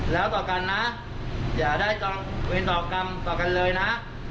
แล้วต่อกันนะอย่าได้เวรต่อกรรมต่อกันเลยนะ